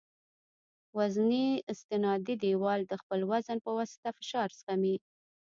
وزني استنادي دیوال د خپل وزن په واسطه فشار زغمي